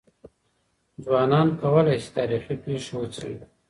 ځوانان کولای سي تاريخي پېښې وڅېړي.